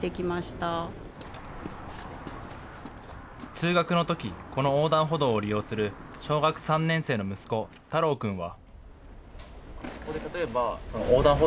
通学のときこの横断歩道を利用する小学３年生の息子、太郎くんは。